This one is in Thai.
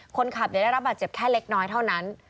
คนขับได้รับบาดเจ็บแค่เล็กน้อยเท่านั้น